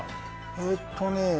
えっとねえ。